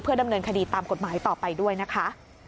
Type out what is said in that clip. ดำเนินคดีตามกฎหมายต่อไปด้วยนะคะ